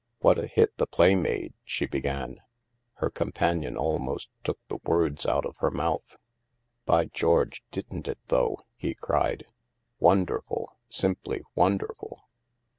" What a hit the play made," she began. Her companion almost took the words out of her mouth. " By George, didn't it, though ?" he cried. " Wonderful ! Simply wonderful